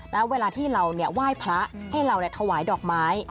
แล้วเวลาที่เราเนี่ยไหว้พระให้เราเนี่ยถวายดอกไม้